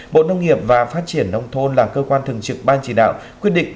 bộ nông nghiệp và phát triển nông thôn là cơ quan thường trực ban chỉ đạo quyết định